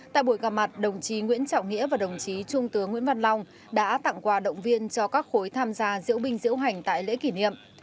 tại buổi gặp mặt đồng chí nguyễn trọng nghĩa và đồng chí trung tướng nguyễn văn long đã tặng quà động viên cho các khối tham gia diễu binh diễu hành tại lễ kỷ niệm